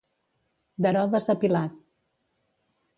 D'Herodes a Pilat.